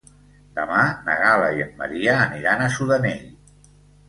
Demà na Gal·la i en Maria aniran a Sudanell.